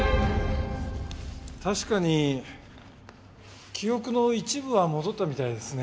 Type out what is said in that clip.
確かに記憶の一部は戻ったみたいですね。